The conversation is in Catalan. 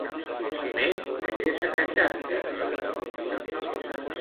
A més, de què s'ha queixat Cantó?